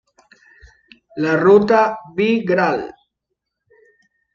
La Ruta V “Gral.